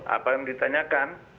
apa yang ditanyakan